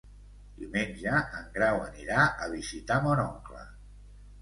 Diumenge en Grau anirà a visitar mon oncle.